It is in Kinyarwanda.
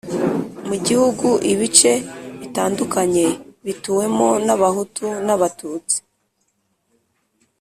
mu gihugu ibice bitandukanye bituwemo n’Abahutu n’ Abatutsi